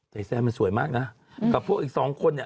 แต่แซนมันสวยมากนะกับพวกอีกสองคนเนี่ย